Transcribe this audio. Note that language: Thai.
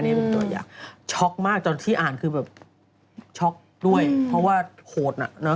นี่เป็นตัวอย่างช็อกมากตอนที่อ่านคือแบบช็อกด้วยเพราะว่าโหดน่ะเนอ